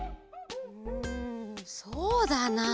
うんそうだな。